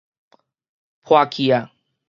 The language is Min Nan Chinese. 破去矣！